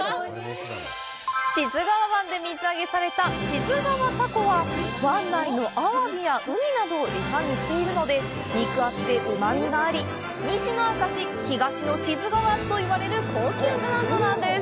志津川湾で水揚げされた志津川タコは湾内のアワビやウニなどを餌にしているので肉厚でうまみがあり西の明石、東の志津川といわれる高級ブランドなんです！